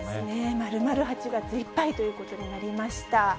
まるまる８月いっぱいということになりました。